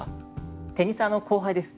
テニサーの後輩です。